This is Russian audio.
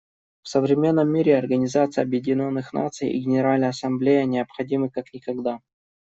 В современном мире Организация Объединенных Наций и Генеральная Ассамблея необходимы как никогда.